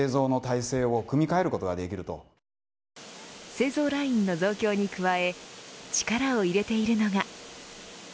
製造ラインの増強に加え力を入れているのが。